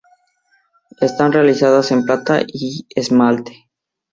Están realizados en plata y esmalte.